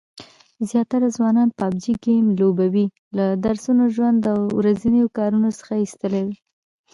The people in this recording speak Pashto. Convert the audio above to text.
زیاتره ځوانان پابجي ګیم لوبولو له درسونو، ژوند او ورځنیو کارونو څخه ایستلي دي